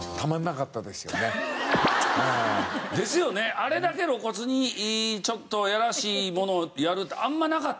あれだけ露骨にちょっといやらしいものをやるってあんまりなかった。